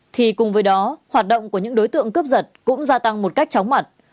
thì cùng với đó hoạt động của những đối tượng cướp giật cũng gia tăng một cách chóng mặt